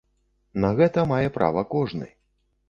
На гэта мае права кожны.